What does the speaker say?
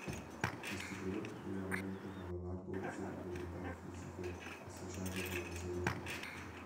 Questi prodotti generalmente fanno largo uso di proprietà fisiche associate a dimensioni ridotte.